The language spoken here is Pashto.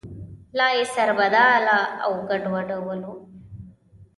لا یې سربداله او ګډوډولو.